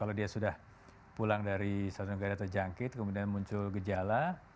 kalau dia sudah pulang dari satu negara terjangkit kemudian muncul gejala